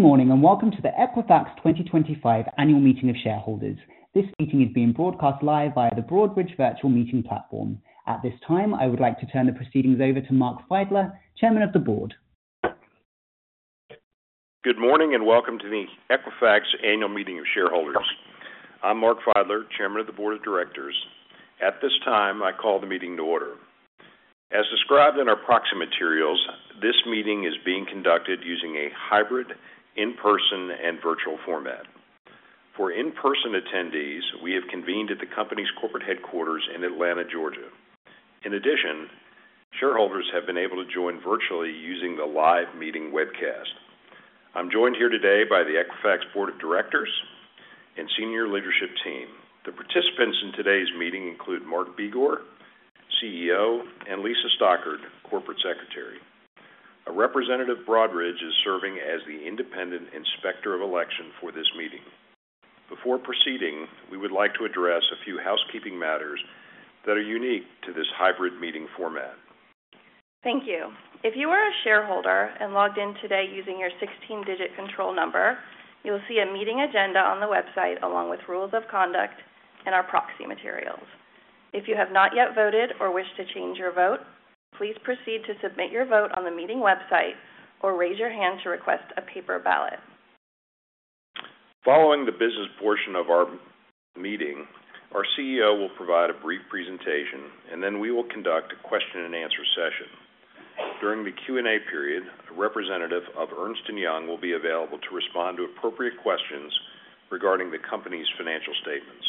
Good morning and welcome to the Equifax 2025 Annual Meeting of Shareholders. This meeting is being broadcast live via the Broadridge virtual meeting platform. At this time, I would like to turn the proceedings over to Mark Feidler, Chairman of the Board. Good morning and welcome to the Equifax Annual Meeting of Shareholders. I'm Mark Feidler, Chairman of the Board of Directors. At this time, I call the meeting to order. As described in our proxy materials, this meeting is being conducted using a hybrid, in-person, and virtual format. For in-person attendees, we have convened at the company's corporate headquarters in Atlanta, Georgia. In addition, shareholders have been able to join virtually using the live meeting webcast. I'm joined here today by the Equifax Board of Directors and Senior Leadership Team. The participants in today's meeting include Mark Begor, CEO, and Lisa Stockard, Corporate Secretary. A representative of Broadridge is serving as the independent inspector of election for this meeting. Before proceeding, we would like to address a few housekeeping matters that are unique to this hybrid meeting format. Thank you. If you are a shareholder and logged in today using your 16-digit control number, you'll see a meeting agenda on the website along with rules of conduct and our proxy materials. If you have not yet voted or wish to change your vote, please proceed to submit your vote on the meeting website or raise your hand to request a paper ballot. Following the business portion of our meeting, our CEO will provide a brief presentation, and then we will conduct a question and answer session. During the Q and A period, a representative of Ernst & Young will be available to respond to appropriate questions regarding the company's financial statements.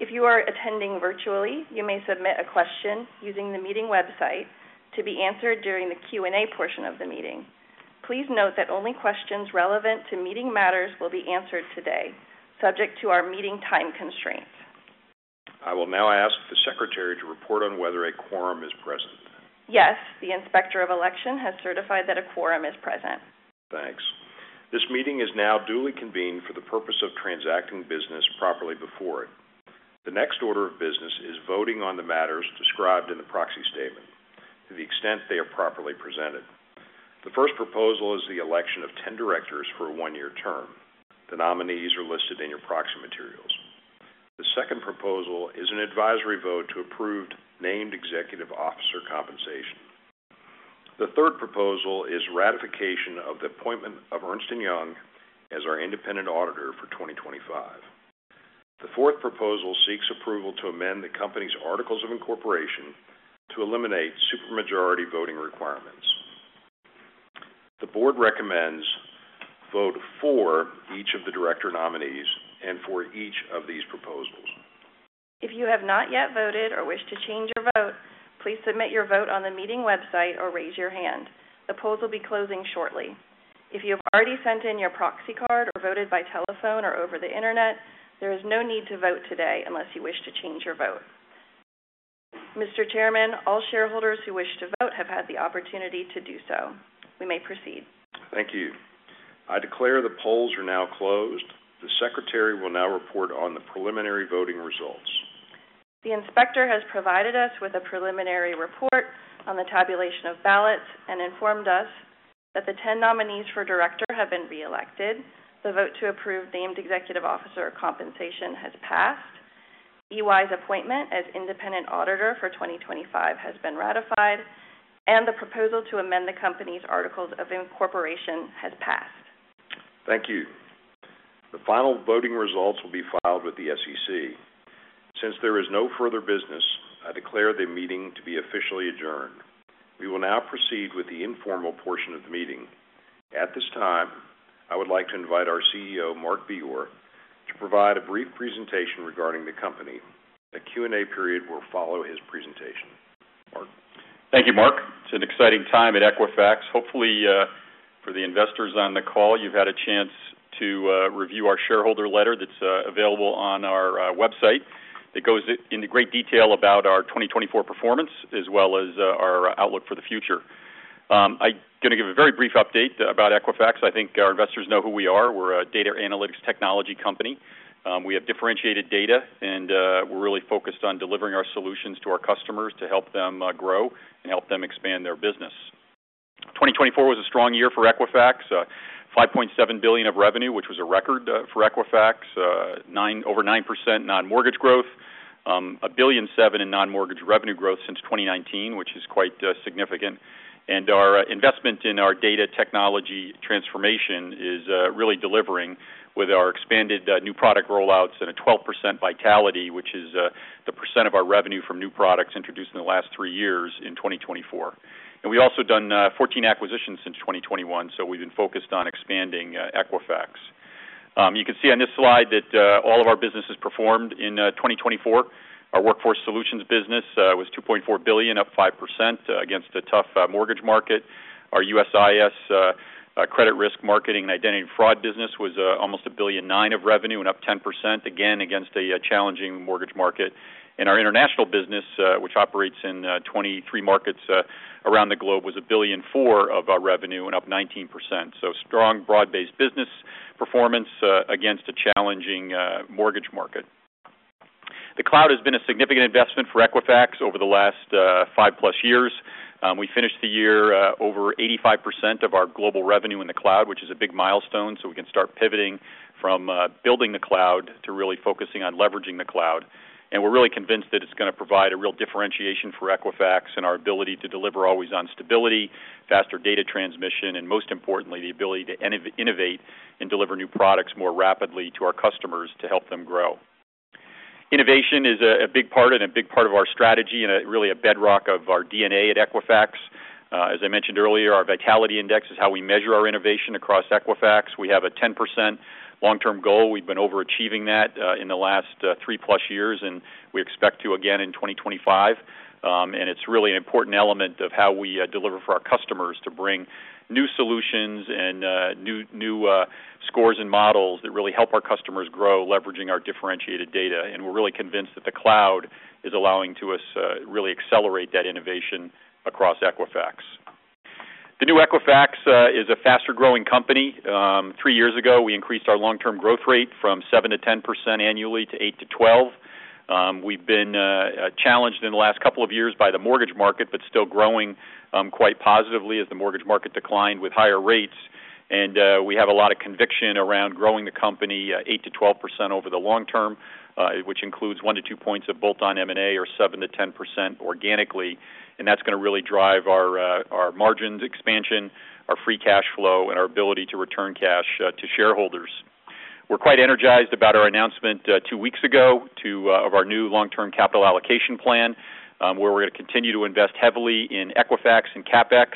If you are attending virtually, you may submit a question using the meeting website to be answered during the Q and A portion of the meeting. Please note that only questions relevant to meeting matters will be answered today, subject to our meeting time constraints. I will now ask the Secretary to report on whether a quorum is present. Yes, the Inspector of Election has certified that a quorum is present. Thanks. This meeting is now duly convened for the purpose of transacting business properly before it. The next order of business is voting on the matters described in the proxy statement to the extent they are properly presented. The first proposal is the election of 10 directors for a one-year term. The nominees are listed in your proxy materials. The second proposal is an advisory vote to approve named executive officer compensation. The third proposal is ratification of the appointment of Ernst & Young as our independent auditor for 2025. The fourth proposal seeks approval to amend the company's Articles of Incorporation to eliminate supermajority voting requirements. The Board recommends vote for each of the director nominees and for each of these proposals. If you have not yet voted or wish to change your vote, please submit your vote on the meeting website or raise your hand. The polls will be closing shortly. If you have already sent in your proxy card or voted by telephone or over the internet, there is no need to vote today unless you wish to change your vote. Mr. Chairman, all shareholders who wish to vote have had the opportunity to do so. We may proceed. Thank you. I declare the polls are now closed. The Secretary will now report on the preliminary voting results. The inspector has provided us with a preliminary report on the tabulation of ballots and informed us that the 10 nominees for director have been reelected, the vote to approve named executive officer compensation has passed, EY's appointment as independent auditor for 2025 has been ratified, and the proposal to amend the company's articles of incorporation has passed. Thank you. The final voting results will be filed with the SEC. Since there is no further business, I declare the meeting to be officially adjourned. We will now proceed with the informal portion of the meeting. At this time, I would like to invite our CEO, Mark Begor, to provide a brief presentation regarding the company. The Q and A period will follow his presentation. Mark. Thank you, Mark. It's an exciting time at Equifax. Hopefully, for the investors on the call, you've had a chance to review our shareholder letter that's available on our website. It goes into great detail about our 2024 performance as well as our outlook for the future. I'm going to give a very brief update about Equifax. I think our investors know who we are. We're a data analytics technology company. We have differentiated data, and we're really focused on delivering our solutions to our customers to help them grow and help them expand their business. 2024 was a strong year for Equifax. $5.7 billion of revenue, which was a record for Equifax. Over 9% non-mortgage growth. $1.7 billion in non-mortgage revenue growth since 2019, which is quite significant. Our investment in our data technology transformation is really delivering with our expanded new product rollouts and a 12% vitality, which is the percent of our revenue from new products introduced in the last three years in 2024. We've also done 14 acquisitions since 2021, so we've been focused on expanding Equifax. You can see on this slide that all of our businesses performed in 2024. Our workforce solutions business was $2.4 billion, up 5% against a tough mortgage market. Our USIS credit risk marketing and identity fraud business was almost $1.9 billion of revenue and up 10%, again against a challenging mortgage market. Our international business, which operates in 23 markets around the globe, was $1.4 billion of revenue and up 19%. Strong broad-based business performance against a challenging mortgage market. The cloud has been a significant investment for Equifax over the last five plus years. We finished the year over 85% of our global revenue in the cloud, which is a big milestone, so we can start pivoting from building the cloud to really focusing on leveraging the cloud, and we're really convinced that it's going to provide a real differentiation for Equifax and our ability to deliver always on stability, faster data transmission, and most importantly, the ability to innovate and deliver new products more rapidly to our customers to help them grow. Innovation is a big part and a big part of our strategy and really a bedrock of our DNA at Equifax. As I mentioned earlier, our Vitality Index is how we measure our innovation across Equifax. We have a 10% long-term goal. We've been overachieving that in the last three plus years, and we expect to again in 2025. And it's really an important element of how we deliver for our customers to bring new solutions and new scores and models that really help our customers grow leveraging our differentiated data. And we're really convinced that the cloud is allowing us to really accelerate that innovation across Equifax. The New Equifax is a faster growing company. Three years ago, we increased our long-term growth rate from 7% to 10% annually to 8% to 12%. We've been challenged in the last couple of years by the mortgage market, but still growing quite positively as the mortgage market declined with higher rates. And we have a lot of conviction around growing the company 8% to 12% over the long term, which includes one to two points of bolt-on M&A or 7% to 10% organically. That's going to really drive our margins, expansion, our free cash flow, and our ability to return cash to shareholders. We're quite energized about our announcement two weeks ago of our new long-term capital allocation plan, where we're going to continue to invest heavily in Equifax and CapEx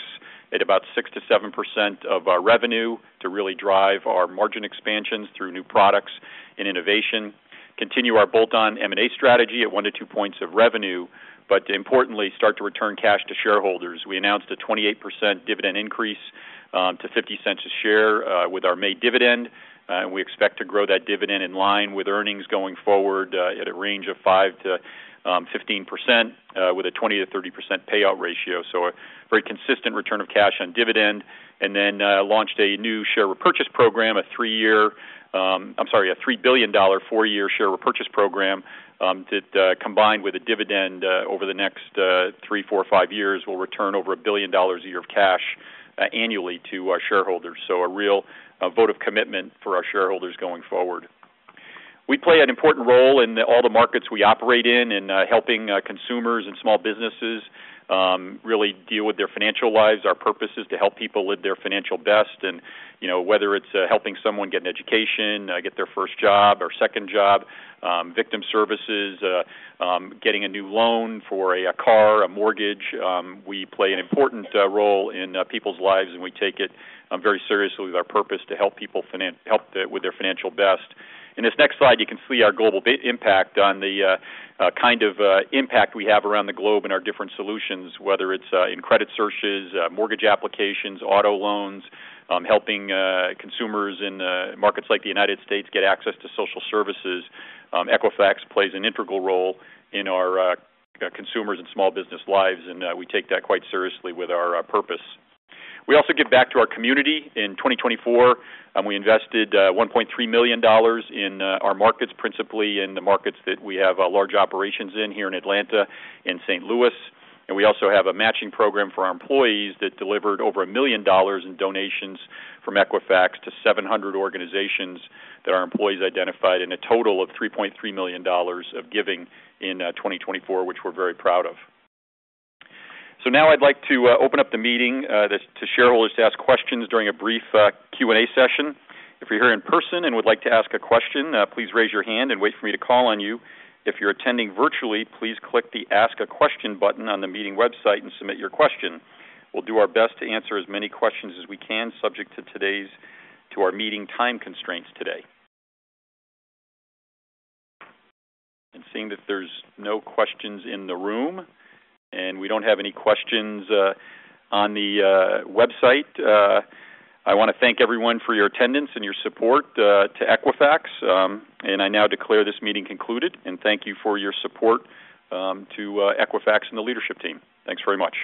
at about 6 to 7% of our revenue to really drive our margin expansions through new products and innovation. Continue our bolt-on M&A strategy at one to two points of revenue, but importantly, start to return cash to shareholders. We announced a 28% dividend increase to $0.50 a share with our May dividend, and we expect to grow that dividend in line with earnings going forward at a range of 5 to 15% with a 20 to 30% payout ratio. A very consistent return of cash on dividend. Then launched a new share repurchase program, a three-year—I'm sorry, a $3 billion four-year share repurchase program that, combined with a dividend over the next three, four, or five years, will return over $1 billion a year of cash annually to our shareholders, so a real vote of commitment for our shareholders going forward. We play an important role in all the markets we operate in and helping consumers and small businesses really deal with their financial lives. Our purpose is to help people live their financial best, and whether it's helping someone get an education, get their first job or second job, victim services, getting a new loan for a car, a mortgage, we play an important role in people's lives, and we take it very seriously with our purpose to help people with their financial best. In this next slide, you can see our global impact on the kind of impact we have around the globe in our different solutions, whether it's in credit searches, mortgage applications, auto loans, helping consumers in markets like the United States get access to social services. Equifax plays an integral role in our consumers' and small business lives, and we take that quite seriously with our purpose. We also give back to our community. In 2024, we invested $1.3 million in our markets, principally in the markets that we have large operations in here in Atlanta and St. Louis, and we also have a matching program for our employees that delivered over a million dollars in donations from Equifax to 700 organizations that our employees identified in a total of $3.3 million of giving in 2024, which we're very proud of. So now I'd like to open up the meeting to shareholders to ask questions during a brief Q and A session. If you're here in person and would like to ask a question, please raise your hand and wait for me to call on you. If you're attending virtually, please click the Ask a Question button on the meeting website and submit your question. We'll do our best to answer as many questions as we can, subject to our meeting time constraints today. And seeing that there's no questions in the room and we don't have any questions on the website, I want to thank everyone for your attendance and your support to Equifax. And I now declare this meeting concluded and thank you for your support to Equifax and the leadership team. Thanks very much.